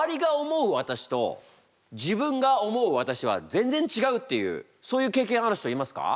私と自分が思う私は全然違うっていうそういう経験ある人いますか？